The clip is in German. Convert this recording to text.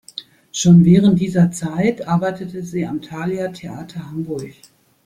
Schon während dieser Zeit arbeitete sie am Thalia Theater Hamburg.